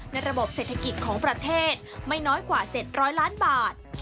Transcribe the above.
ระบบเศรษฐกิจของประเทศไม่น้อยกว่า๗๐๐ล้านบาท